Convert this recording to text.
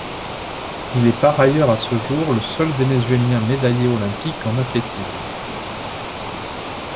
Il est par ailleurs à ce jour le seul Vénézuélien médaillé olympique en athlétisme.